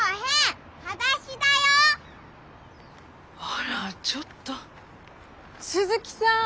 あらちょっと鈴木さん。